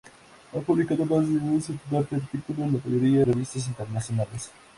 Ha publicado más de un centenar de artículos, la mayoría en revistas internacionales.